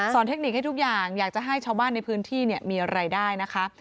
เทคนิคให้ทุกอย่างอยากจะให้ชาวบ้านในพื้นที่มีรายได้นะคะ